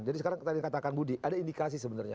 jadi sekarang tadi katakan budi ada indikasi sebenarnya